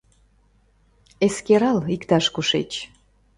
Эскерал, иктаж кушеч